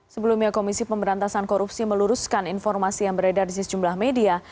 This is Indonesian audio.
sebelumnya komisi pemberantasan korupsi meluruskan informasi yang beredar di sejumlah media